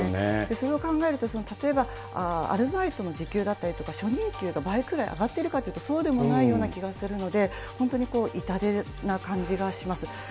それを考えると例えば、アルバイトの時給だったりとか、初任給が倍ぐらい上がっているかというと、そうでもないような気がするので、本当に痛手な感じがします。